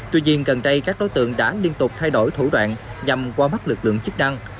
tuy nhiên gần đây các đối tượng đã liên tục thay đổi thủ đoạn nhằm qua mắt lực lượng chức năng